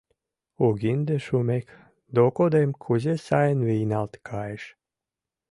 Угинде шумек, докодем кузе сайын вийналт кайыш!